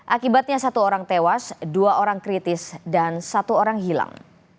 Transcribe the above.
akibatnya satu orang tewas dua orang kritis dan satu orang hilang